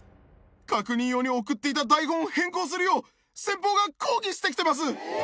確認用に送っていた台本を変更するよう先方が抗議してきてます。